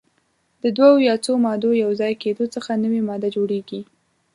د دوه یا څو مادو یو ځای کیدو څخه نوې ماده جوړیږي.